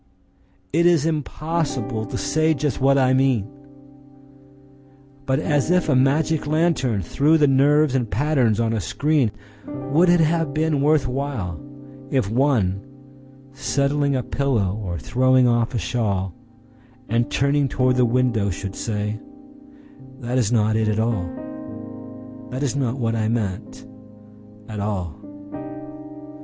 —It is impossible to say just what I mean! But as if a magic lantern threw the nerves in patterns on a screen:Would it have been worth whileIf one, settling a pillow or throwing off a shawl, And turning toward the window, should say:"That is not it at all, That is not what I meant, at all."